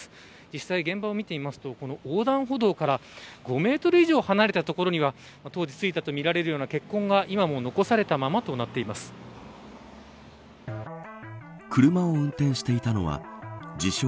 実際、現場を見てみますと横断歩道から５メートル以上離れた所には当時、ついたとみられるような血痕が今も残されたまま車を運転していたのは自称